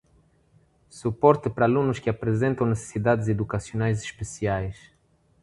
suporte para alunos que apresentam necessidades educacionais especiais